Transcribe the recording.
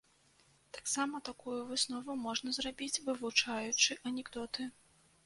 Таксама такую выснову можна зрабіць вывучаючы анекдоты.